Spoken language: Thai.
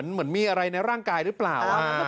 เหมือนมีอะไรในร่างกายหรือเปล่า